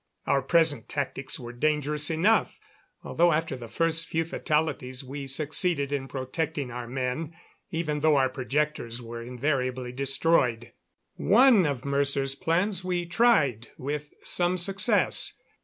Our present tactics were dangerous enough, although after the first few fatalities we succeeded in protecting our men, even though our projectors were invariably destroyed. One of Mercer's plans we tried with some success.